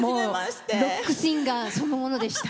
ロックシンガーそのものでした。